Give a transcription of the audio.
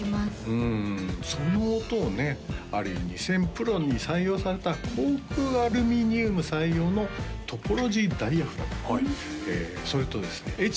うんその音をねＲＥ２０００Ｐｒｏに採用された航空アルミニウム採用のトポロジーダイヤフラムそれとですね